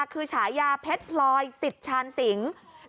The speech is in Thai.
คือฉายาเพชรพลอยสิทธานสิง